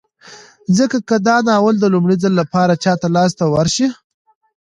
ځکه که دا ناول د لومړي ځل لپاره چاته لاس ته وشي